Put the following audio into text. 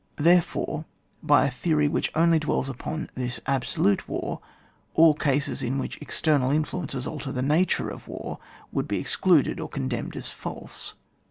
Therefore, by a theory which only dwells upon this absolute war, all cases in which external influences alter the nature of war would be excluded or condemned as false.